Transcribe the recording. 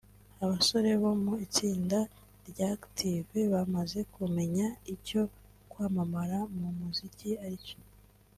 Abasore bo mu itsinda rya Active bamaze kumenya icyo kwamamara mu muziki ari cyo